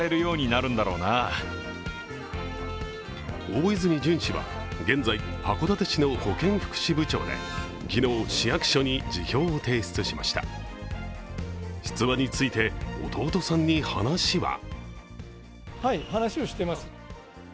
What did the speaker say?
大泉潤氏は現在、函館市の保健福祉部長で昨日、市役所に辞表を提出しました出馬について弟さんに話は？